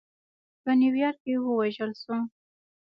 په نیویارک کې ووژل شو.